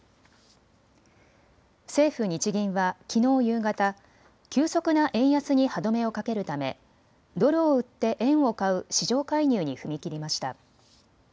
政府・日銀はきのう夕方、急速な円安に歯止めをかけるためドルを売って円を買う市場介入に踏み切りました。